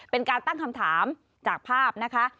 เป็นการตั้งคำถามจากภาพนะคะ